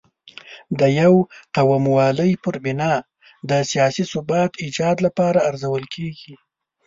د یو قوموالۍ پر بنا د سیاسي ثبات ایجاد لپاره ارزول کېږي.